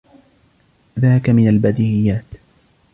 ذاك من البديهيات.